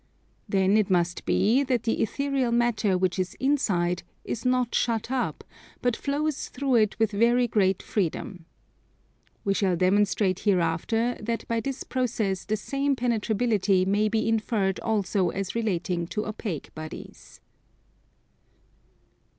Then it must be that the ethereal matter which is inside is not shut up, but flows through it with very great freedom. We shall demonstrate hereafter that by this process the same penetrability may be inferred also as relating to opaque bodies.